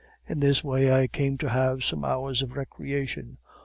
In this way I came to have some hours of recreation.